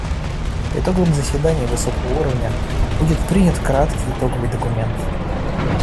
По итогам заседания высокого уровня будет принят краткий итоговый документ.